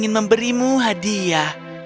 ke november jadinya